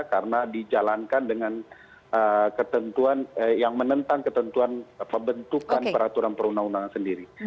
karena dijalankan dengan ketentuan yang menentang ketentuan peraturan perundang undangan sendiri